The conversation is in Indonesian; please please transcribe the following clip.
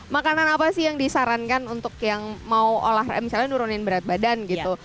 makanan apa sih yang disarankan untuk yang mau olahraga misalnya nurunin berat badan gitu